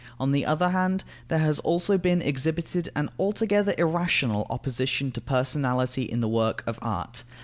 On the other hand, there has also been exhibited an altogether irrational opposition to personality in the work of art.